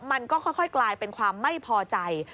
มันก็ค่อยกลายเป็นความไม่พอใจ